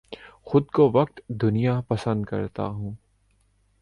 خود کو وقت دنیا پسند کرتا ہوں